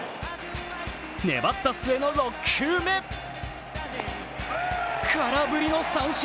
粘った末の６球目、空振りの三振。